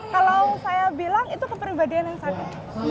kalau saya bilang itu kepribadian yang sakit